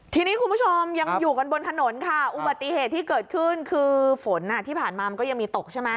ทีนี้คุณผู้ชมยังอยู่กันบนถนนค่ะอุบัติเหตุที่เกิดขึ้นคือฝนที่ผ่านมามันก็ยังมีตกใช่ไหม